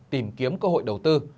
tìm kiếm cơ hội đầu tư